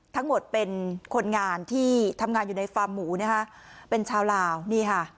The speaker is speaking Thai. เป็นคนงานที่ทำงานอยู่ในฟาร์มหมูนะคะเป็นชาวลาวนี่ค่ะ